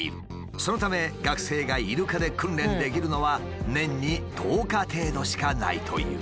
そのため学生がイルカで訓練できるのは年に１０日程度しかないという。